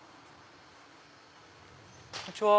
こんにちは。